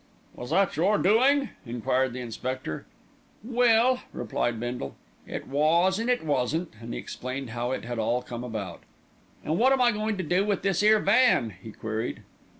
"Was that your doing?" enquired the inspector. "Well," replied Bindle, "it was an' it wasn't," and he explained how it had all come about. "And what am I goin' to do with this 'ere van?" he queried.